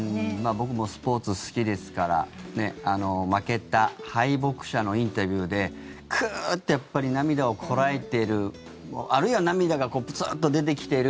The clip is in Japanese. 僕もスポーツ好きですから負けた敗北者のインタビューでクーッてやっぱり涙をこらえているあるいは涙がプツーッと出てきている